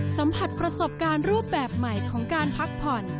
สัมผัสประสบการณ์รูปแบบใหม่ของการพักผ่อน